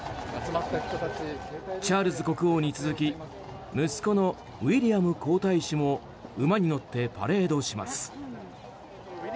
チャールズ国王に続き息子のウィリアム皇太子も馬に乗ってパレードします。